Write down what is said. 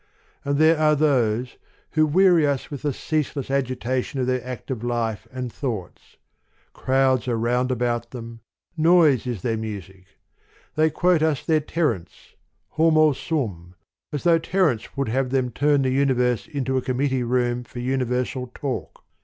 And there are those, who weary us with the ceaseless agi tation of their active life and thoughts ; crowds are round about them, noise is their music : they quote us their Terence, Homo sum, as though Terence would have them turn the universe into a committee room for universal talk.